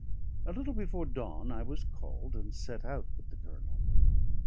A little before dawn I was called and set out with the Colonel.